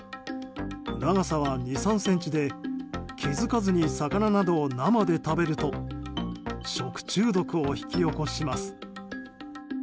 長さは２３ｃｍで気づかずに魚などを生で食べると食中毒を引き起こします。